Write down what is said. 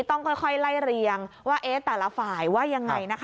ต้องค่อยไล่เรียงว่าแต่ละฝ่ายว่ายังไงนะคะ